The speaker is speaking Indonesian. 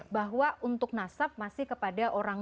bahwa untuk nasab masih kepada orang